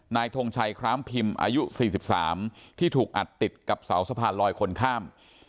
ทงชัยคร้ามพิมพ์อายุ๔๓ที่ถูกอัดติดกับเสาสะพานลอยคนข้าม